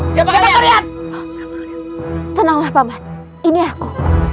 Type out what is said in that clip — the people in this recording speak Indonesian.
siapa kalian tenanglah paman ini aku